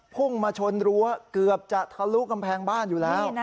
พุ่งมาชนรั้วเกือบจะทะลุกำแพงบ้านอยู่แล้ว